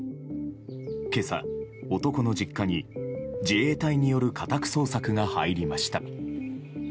今朝、男の実家に自衛隊による家宅捜索が入りました。